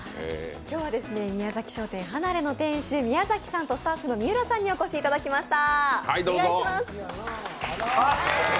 今日はミヤザキ商店はなれの店主、宮崎さんとスタッフの三浦さんにお越しいただきました。